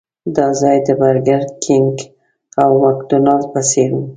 دا ځای د برګر کېنګ او مکډانلډ په څېر و.